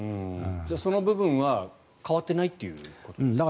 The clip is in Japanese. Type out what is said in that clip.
その部分は変わっていないということですか？